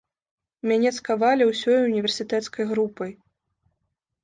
Мяне цкавалі ўсёй універсітэцкай групай.